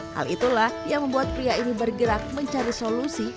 hal itulah yang membuat pria ini bergerak mencari solusi